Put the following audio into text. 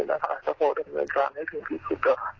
ถ้าเราถึงแค่ตรงนี้